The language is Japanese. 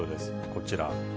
こちら。